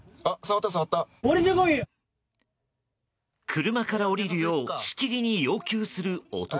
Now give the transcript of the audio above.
車から降りるようしきりに要求する男。